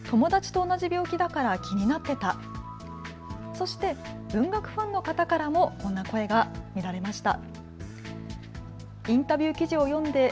そして文学ファンの方からもこんな声が見られました。